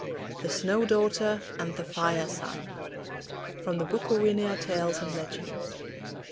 THE SNOW DAUGHTER AND THE FIRE SON(25) (25) From the Bukowinaer Tales and Legends.